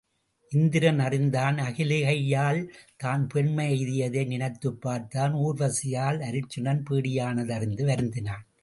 இந்திரன் அறிந்தான் அகலிகையால் தான் பெண்மை எய்தியதை நினைத்துப் பார்த்தான், ஊர்வசியால் அருச் சுனன் பேடியானது அறிந்து வருந்தினான்.